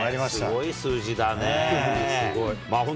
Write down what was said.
すごい数字だね。